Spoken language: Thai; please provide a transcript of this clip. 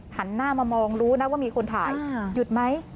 หันหน้ามามองรู้นะว่ามีคนถ่ายหยุดไหม